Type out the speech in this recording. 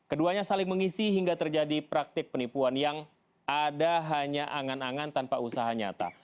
keduanya saling mengisi hingga terjadi praktik penipuan yang ada hanya angan angan tanpa usaha nyata